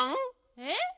えっ？